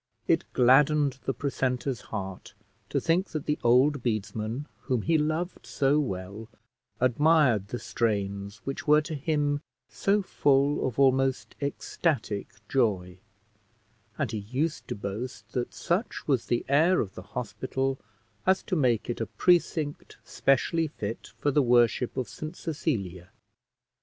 It gladdened the precentor's heart to think that the old bedesmen whom he loved so well admired the strains which were to him so full of almost ecstatic joy; and he used to boast that such was the air of the hospital, as to make it a precinct specially fit for the worship of St Cecilia.